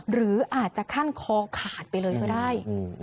หรืออาจจะขั้นคอขาดไปเลยก็ได้